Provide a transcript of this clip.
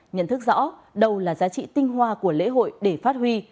nhận thức rõ đâu là giá trị tinh hoa của lễ hội để phát huy